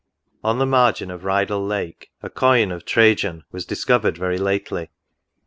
On the margin of Rydal Lake, a coin of Trajan was discovered very lately.